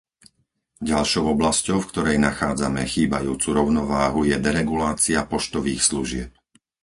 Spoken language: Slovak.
Ďalšou oblasťou, v ktorej nachádzame chýbajúcu rovnováhu, je deregulácia poštových služieb.